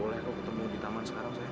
boleh kok ketemu di taman sekarang saya